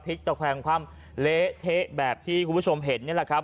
ภิกษ์ต่อแพงความเละเทะแบบที่คุณผู้ชมเห็นนี่แหละครับ